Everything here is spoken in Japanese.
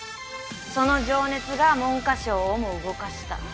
その情熱が文科省をも動かした。